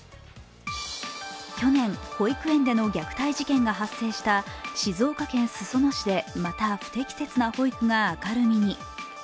去年、保育園での虐待事件が発生した静岡県裾野市でまた不適切な保育が明るみに。